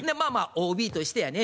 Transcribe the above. ＯＢとしてやね